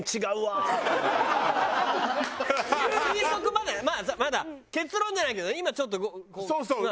推測までまあまだ結論じゃないけど今ちょっとこう。